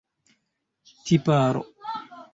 tiparo